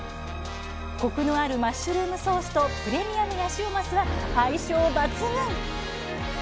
コクのあるマッシュルームソースとプレミアムヤシオマスは相性抜群！